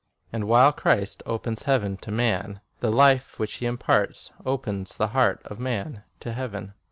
And while Christ opens heaven to man, the life which He imparts opens the heart of man to heaven.